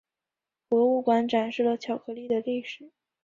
博物馆展示了巧克力的历史。